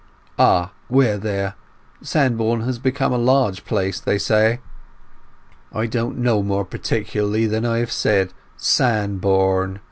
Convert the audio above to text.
"Ah—where there? Sandbourne has become a large place, they say." "I don't know more particularly than I have said—Sandbourne.